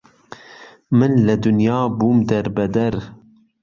من لە دونیا بوم دەر بەدەر